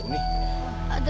udah udah udah